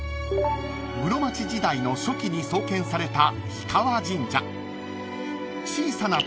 ［室町時代の初期に創建された］